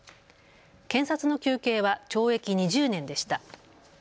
検察の求刑は懲役２０年でした。